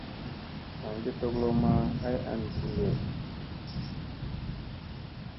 Hangi tokolomma ay an ɓu ɗee.